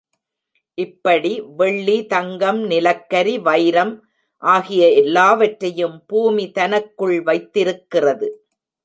இப்படி வெள்ளி, தங்கம், நிலக்கரி, வைரம் ஆகிய எல்லாவற்றையும் பூமி தனக்குள் வைத்திருக்கிறது.